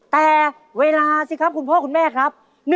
แต่เวลาสิครับคุณพ่อคุณแม่ครับ